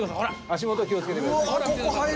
足下気をつけて下さい。